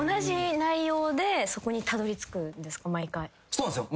そうなんですよ。